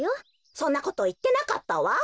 そんなこといってなかったわ。